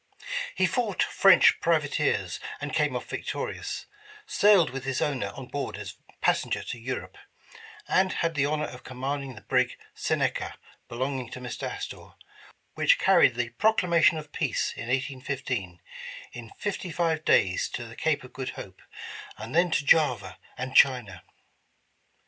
He fought French privateers and came off victorious, sailed with his owner on board as passenger to Europe, and had the honor of commanding the brig '' Seneca '' be longing to Mr. Astor, which caried the ''Proclamation 233 The Original John Jacob Astor of Peace in 1815, in fifty five days to the Cape of Good Hope, and then to Java, and China".